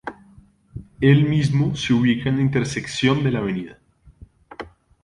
El mismo se ubica en la intersección de la Av.